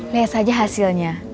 lihat saja hasilnya